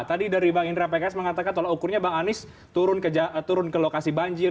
tadi dari bang indra pks mengatakan tolak ukurnya bang anies turun ke lokasi banjir